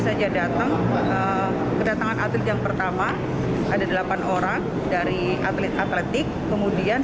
saja datang kedatangan atlet yang pertama ada delapan orang dari atlet atletik kemudian